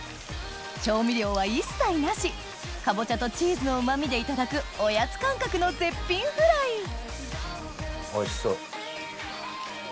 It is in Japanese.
調味料は一切なしかぼちゃとチーズのうま味でいただくおやつ感覚の絶品フライおいしそう。